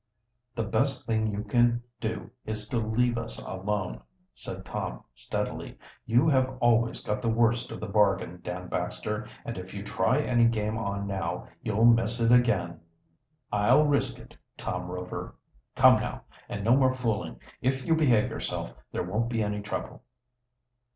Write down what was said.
"The best thing you can do is to leave us alone," said Tom steadily. "You have always got the worst of the bargain, Dan Baxter, and if you try any game on now, you'll miss it again." "I'll risk it, Tom Rover. Come now, and no more fooling. If you behave yourself, there won't be any trouble."